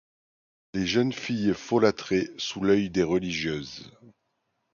Les jeunes filles folâtraient sous l'oeil des religieuses.